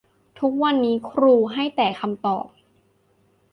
ทุกวันนี้ครูให้แต่คำตอบ